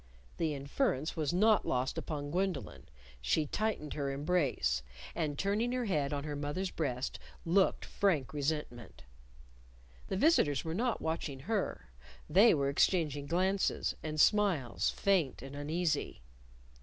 The inference was not lost upon Gwendolyn. She tightened her embrace. And turning her head on her mother's breast, looked frank resentment. The visitors were not watching her. They were exchanging glances and smiles, faint and uneasy.